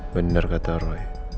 bener kata roy